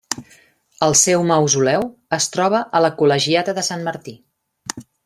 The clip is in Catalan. El seu mausoleu es troba a la Col·legiata de Sant Martí.